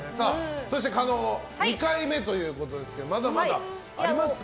そして加納２回目ということですけどまだまだありますか？